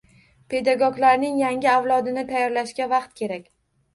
Pedagoglarning yangi avlodini tayyorlashga vaqt kerak